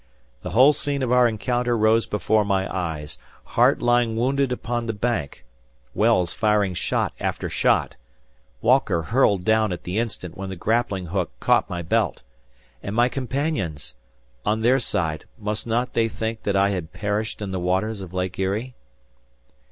The whole scene of our encounter rose before my eyes, Hart lying wounded upon the bank; Wells firing shot after shot, Walker hurled down at the instant when the grappling hook caught my belt! And my companions? On their side, must not they think that I had perished in the waters of Lake Erie?